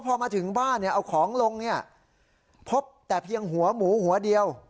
พอมาถึงบ้านเอาของลงเนี่ยพบแต่เพียงหัวหมูหัวเดียว